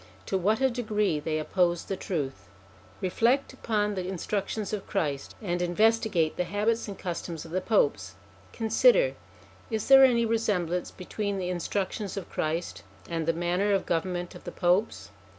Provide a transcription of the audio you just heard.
To what a degree they opposed the truth ! Reflect upon the instructions of Christ, and investi gate the habits and customs of the Popes. Consider : is there any resemblance between the instructions of Christ and the manner of government of the Popes?